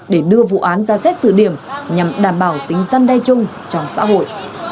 để đưa vụ án ra xét xử điểm nhằm đảm bảo tính dân đe chung trong xã hội